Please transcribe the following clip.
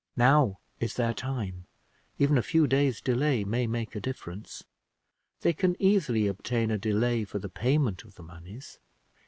Now is their time: even a few days' delay may make a difference. They can easily obtain a delay for the payment of the moneys.